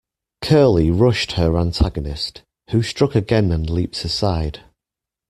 Curly rushed her antagonist, who struck again and leaped aside.